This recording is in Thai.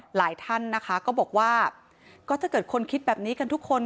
หลายท่านนะคะก็บอกว่าก็ถ้าเกิดคนคิดแบบนี้กันทุกคน